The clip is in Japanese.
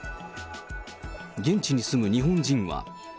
現地に住む日本人は。